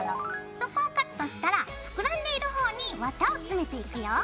そこをカットしたら膨らんでいる方に綿をつめていくよ。